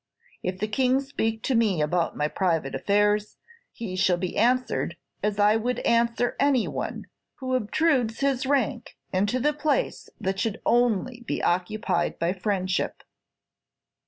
If the King speak to me about my private affairs, he shall be answered as I would answer any one who obtrudes his rank into the place that should only be occupied by friendship."